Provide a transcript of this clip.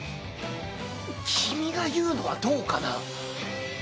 君が言うのはどうかな。